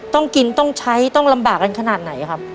ต้องกินต้องใช้ต้องลำบากกันขนาดไหนครับ